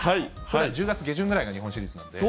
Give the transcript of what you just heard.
１０月下旬ぐらいが日本シリーズなので。